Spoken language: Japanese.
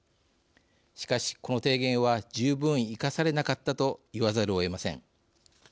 しかし、この提言は十分生かされなかったと言わざるをえません。